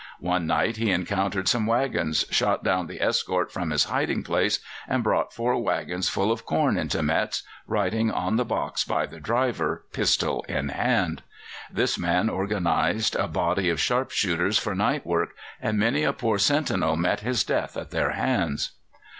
One night he encountered some waggons, shot down the escort from his hiding place, and brought four waggons full of corn into Metz, riding on the box by the driver, pistol in hand. This man organized a body of sharp shooters for night work, and many a poor sentinel met his death at their hands.